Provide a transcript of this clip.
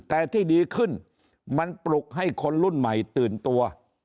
แต่ที่ดีขึ้นมันปลุกให้คนรุ่นใหม่ตื่นตัว